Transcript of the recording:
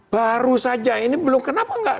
baru saja ini belum kenapa enggak